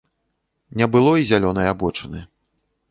Не было і зялёнай абочыны.